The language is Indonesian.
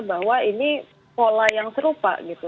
bahwa ini pola yang serupa gitu